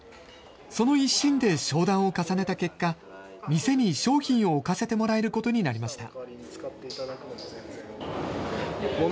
その一心で商談を重ねた結果、店に商品を置かせてもらえることになりました。